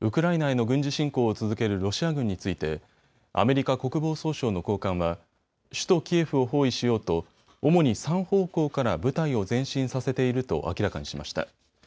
ウクライナへの軍事侵攻を続けるロシア軍についてアメリカ国防総省の高官は首都キエフを包囲しようと主に３方向から部隊を前進させていると明らかにしました。